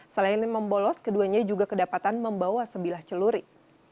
selain membolos keduanya juga kedapatan membawa sebilah celuri